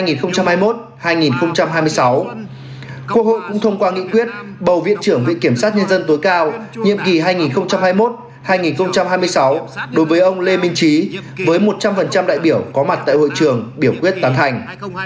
quốc hội cũng thông qua nghị quyết bầu viện trưởng viện kiểm sát nhân dân tối cao nhiệm kỳ hai nghìn hai mươi một hai nghìn hai mươi sáu đối với ông lê minh trí với một trăm linh đại biểu có mặt tại hội trường biểu quyết tán thành